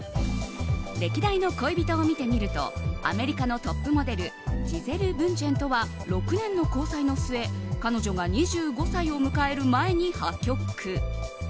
歴代の恋人を見てみるとアメリカのトップモデルジゼル・ブンチェンとは６年の交際の末彼女が２５歳を迎える前に破局。